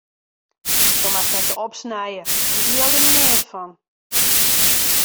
Do moatst net sa opsnije, ik leau der neat fan.